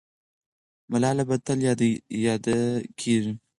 ملاله به تل یاده کېږي.